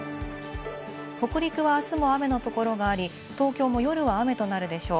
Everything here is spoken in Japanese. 北陸は、あすも雨のところがあり、東京も夜は雨となるでしょう。